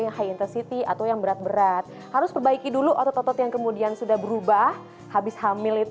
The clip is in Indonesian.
nah saya mau ikutan nih kelas corvix